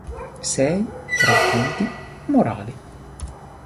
Sei racconti morali".